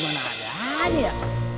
dimana ada aja